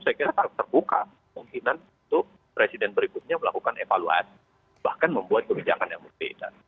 saya kira sangat terbuka kemungkinan untuk presiden berikutnya melakukan evaluasi bahkan membuat kebijakan yang berbeda